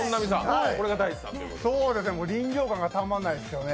臨場感がたまらないですよね。